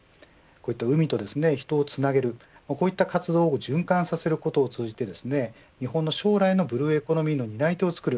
海と人をつなげるこういった活動を循環させることを通じて日本の将来のブルーエコノミーの担い手を作る。